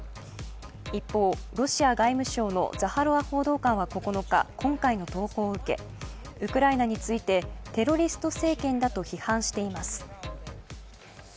一方、ロシア外務省のザハロワ報道官は９日今回の投稿を受けウクライナについてテロリスト政権だと批判しています。